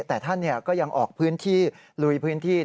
แต่ท่านก็ยังออกพื้นที่ลุยพื้นที่